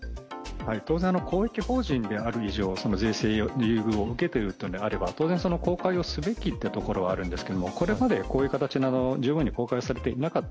当然、公益法人である以上、税制の優遇を受けているのであれば当然、公開すべきというところはあるんですが、これまで十分公開されてこなかった。